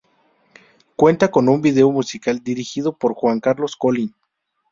Cuenta con un video musical dirigido por Juan Carlos Colín.